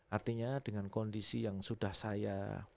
artinya dengan kondisi yang sudah saya